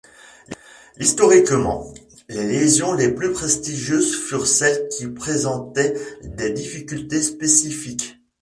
Historiquement, les liaisons les plus prestigieuses furent celles qui présentaient des difficultés spécifiques.